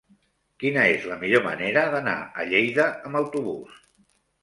Quina és la millor manera d'anar a Lleida amb autobús?